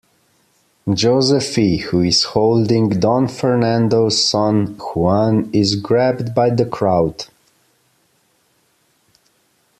Josephe, who is holding Don Fernando's son Juan is grabbed by the crowd.